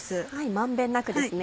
満遍なくですね。